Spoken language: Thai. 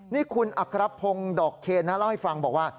นี่คุณอัครพงศ์ดอกเคนนะเล่าให้ฟังบอกว่า